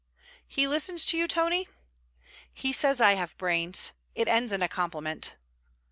'He listens to you, Tony?' 'He says I have brains. It ends in a compliment.'